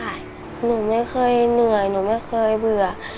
หนูไม่เคยเหนื่อยหนูไม่เคยเบื่อ